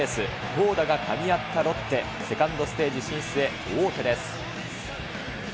投打がかみ合ったロッテ、セカンドステージ進出へ、王手です。